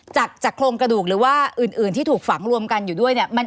จากโครงกระดูกหรือว่าอื่นที่ถูกฝังรวมกันอยู่ด้วยเนี่ย